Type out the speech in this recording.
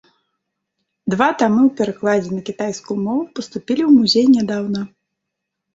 Два тамы ў перакладзе на кітайскую мову паступілі ў музей нядаўна.